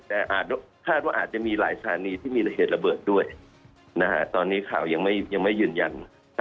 แต่อาจคาดว่าอาจจะมีหลายสถานีที่มีเหตุระเบิดด้วยตอนนี้ข่าวยังไม่ยืนยัน